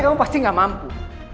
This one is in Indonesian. kamu pasti gak mampu